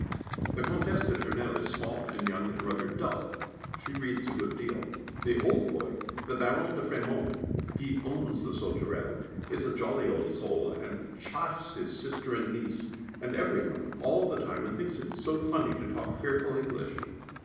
The Comtesse de Tournelle is small and young and rather dull; she reads a great deal. The old boy, the Baron de Frémond (he owns the Sauterelle) is a jolly old soul, and chaffs his sister and niece, and every one, all the time, and thinks it so funny to talk fearful English.